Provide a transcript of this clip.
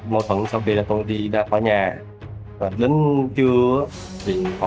mâu thuẫn sao về là tôi không biết